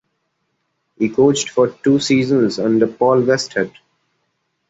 He coached for two seasons under Paul Westhead.